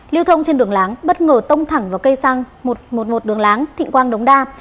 lưu thông trên đường láng bất ngờ tông thẳng vào cây xăng một trăm một mươi một đường láng thịnh quang đống đa